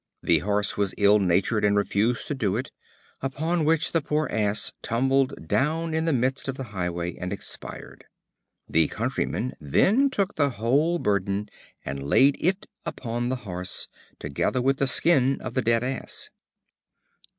The Horse was ill natured and refused to do it; upon which the poor Ass tumbled down in the midst of the highway, and expired. The countryman then took the whole burden, and laid it upon the Horse, together with the skin of the dead Ass.